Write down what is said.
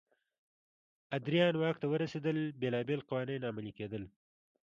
ادریان واک ته ورسېدل بېلابېل قوانین عملي کېدل.